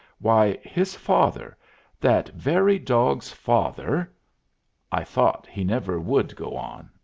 Why, his father that very dog's father " I thought he never would go on.